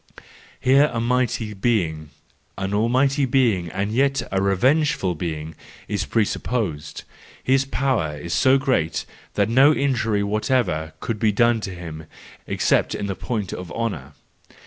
Here a mighty being, an almighty being, and yet a re¬ vengeful being, is presupposed; his power is so great that no injury whatever can be done to him, except in the point of honour.